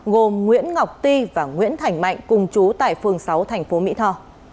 gồm nguyễn ngọc ti và nguyễn thành mạnh cùng chú tại phường sáu tp mỹ tho